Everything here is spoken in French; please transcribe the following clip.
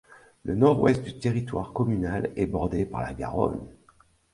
Le nord-ouest du territoire communal est bordé par la Garonne.